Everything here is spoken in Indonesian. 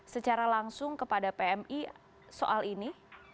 secara langsung kepada pmi soal ini